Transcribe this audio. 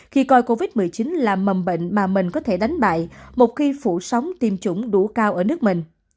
khi coi covid một mươi chín là mầm bệnh mà mình có thể đánh bại một khi phủ sóng tiêm chủng đủ cao ở nước mình